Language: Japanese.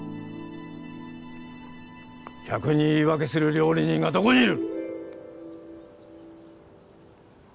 客に言い訳する料理人がどこにいる！